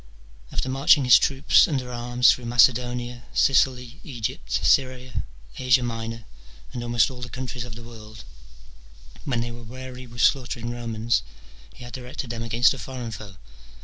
after marching his troops under arms through Macedonia, Sicily, Egypt, Syria, Asia Minor, and almost all the countries of the world, when they were weary with slaughtering Romans he had directed them against a foreign foe.